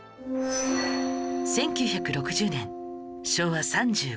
１９６０年昭和３５年